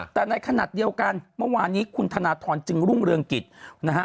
แต่ในขณะเดียวกันเมื่อวานนี้คุณธนทรจึงรุ่งเรืองกิจนะฮะ